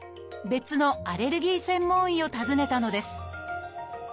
別のアレルギー専門医を訪ねたのです